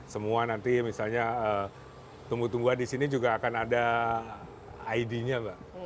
semua nanti misalnya tumbuh tumbuhan di sini juga akan ada id nya mbak